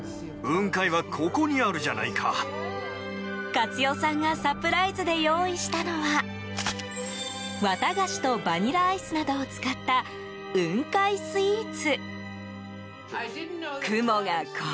勝代さんがサプライズで用意したのは綿菓子とバニラアイスなどを使った雲海スイーツ。